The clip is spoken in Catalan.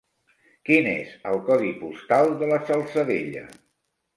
Quin és el codi postal de la Salzadella?